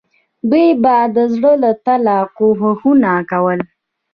دوی به د زړه له تله کوښښونه کول.